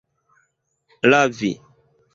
lavi